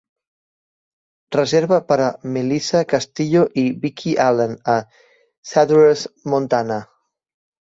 reserva per a Melisa Castillo i Vicky Allen a Sadorus Montana